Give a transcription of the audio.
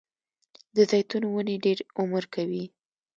د زیتون ونې ډیر عمر کوي